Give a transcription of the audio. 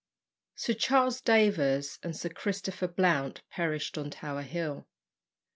Sir Charles Davers and Sir Christopher Blount perished on Tower Hill.